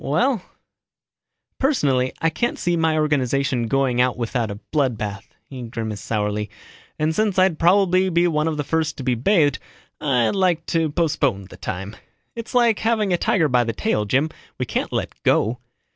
Well, personally I can't see my organization going out without a blood bath." He grimaced sourly, "And since I'd probably be one of the first to be bathed, I'd like to postpone the time. It's like having a tiger by the tail, Jim. We can't let go."